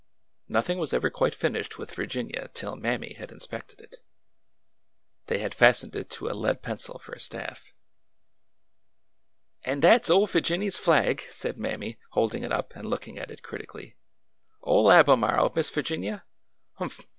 Nothing was ever quite finished with Virginia till Mammy had inspected it. They had fastened it to a lead pencil for a staff. An' dat 's ole Figinny's flag!" said Mammy, hold ing it up and looking at it critically. Ole Albemarle, Miss Figinia ? Humph !